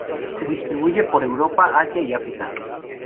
Se distribuye por Europa, Asia y África.